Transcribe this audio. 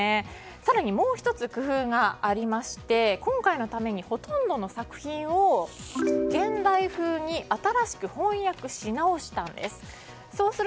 更にもう１つ工夫がありまして今回のために、ほとんどの作品を現代風に新しく翻訳し直したんです。